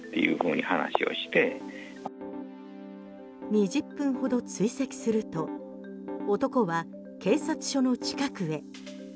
２０分ほど追跡すると男は警察署の近くへ。